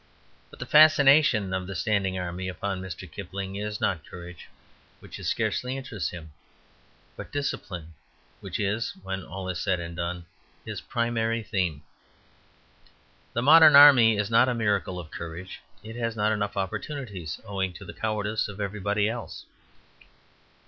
But the fascination of the standing army upon Mr. Kipling is not courage, which scarcely interests him, but discipline, which is, when all is said and done, his primary theme. The modern army is not a miracle of courage; it has not enough opportunities, owing to the cowardice of everybody else.